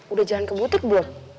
udah jalan ke butik belum